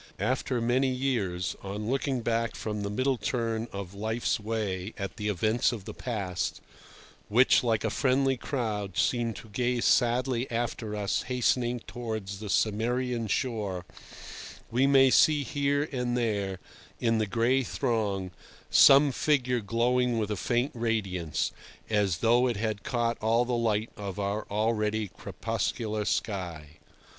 After many years, on looking back from the middle turn of life's way at the events of the past, which, like a friendly crowd, seem to gaze sadly after us hastening towards the Cimmerian shore, we may see here and there, in the gray throng, some figure glowing with a faint radiance, as though it had caught all the light of our already crepuscular sky.